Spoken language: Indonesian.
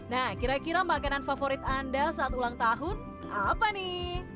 nah kira kira makanan favorit anda saat ulang tahun apa nih